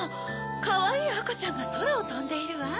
かわいいあかちゃんがそらをとんでいるわ。